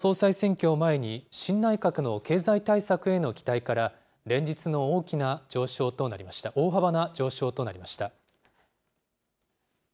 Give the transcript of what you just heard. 自民党総裁選挙を前に、新内閣の経済対策への期待から、連日の大幅な上昇となりました。